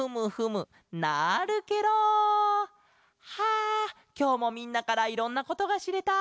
あきょうもみんなからいろんなことがしれた。